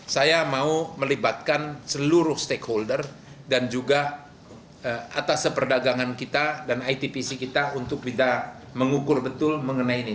saya mau melibatkan seluruh stakeholder dan juga atas perdagangan kita dan itpc kita untuk bisa mengukur betul mengenai ini